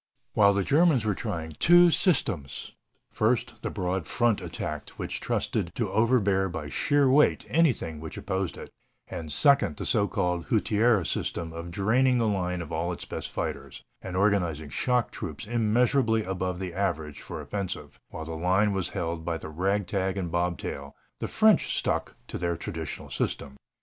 While the Germans were trying two systems first, the broad front attack which trusted to overbear by sheer weight anything which opposed it, and, second, the so called Hutier system of draining the line of all its best fighters, and organizing shock troops immeasurably above the average for offensive, while the line was held by the rag tag and bobtail the French stuck to their traditional system.